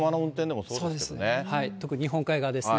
そうです、特に日本海側ですね。